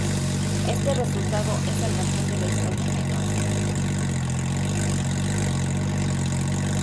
Este resultado es el mejor de la historia en Austria